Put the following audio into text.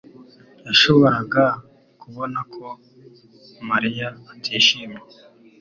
yashoboraga kubona ko Mariya atishimye.